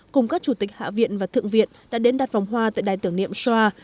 cùng các chủ tịch hạ viện và thượng viện đã đến đặt vòng hoa tại đài tưởng niệm sra